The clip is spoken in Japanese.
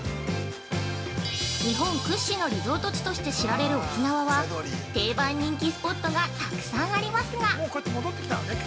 日本屈指のリゾート地として知られる沖縄は、定番人気スポットがたくさんありますが。